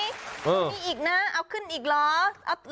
ตรงนี้อีกนะเอาขึ้นอีกละ